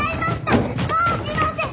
もうしません！